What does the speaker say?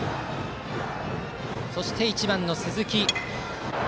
そして１番の鈴木。